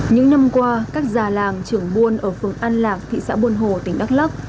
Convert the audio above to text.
những năm qua các già làng trưởng buôn ở phường an lạc thị xã buôn hồ tỉnh đắk lắc